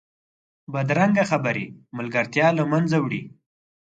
بدرنګه خبرې ملګرتیا له منځه وړي